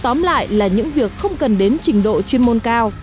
tóm lại là những việc không cần đến trình độ chuyên môn cao